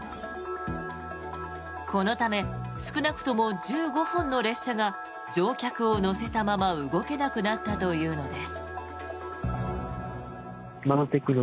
このため少なくとも１５本の列車が乗客を乗せたまま動けなくなったというのです。